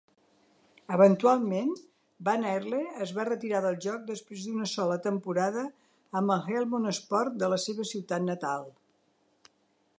Eventualment, van Aerle es va retirar del joc després d'una sola temporada amb el Helmond Sport de la seva ciutat natal.